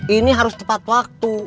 ini harus tepat waktu